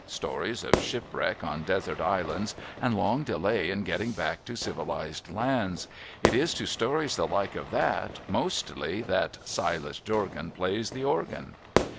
Stories of shipwreck on desert islands, and long delay in getting back to civilised lands. It is to stories the like of that, mostly, that Silas Jorgan Plays the organ.'